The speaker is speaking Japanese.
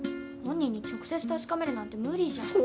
本人に直接確かめるなんて無理じゃん。